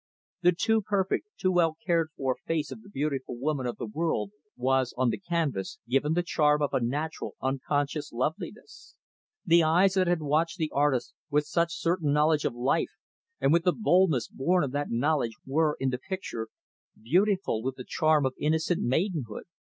The too perfect, too well cared for face of the beautiful woman of the world was, on the canvas, given the charm of a natural unconscious loveliness. The eyes that had watched the artist with such certain knowledge of life and with the boldness born of that knowledge were, in the picture, beautiful with the charm of innocent maidenhood.